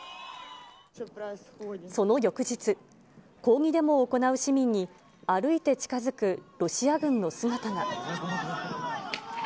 その翌日、抗議デモを行う市民に、歩いて近づくロシア軍の姿が。